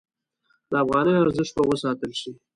د افغانیو ارزښت به وساتل شي؟